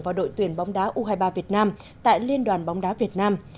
và đội tuyển bóng đá u hai mươi ba việt nam tại liên đoàn bóng đá việt nam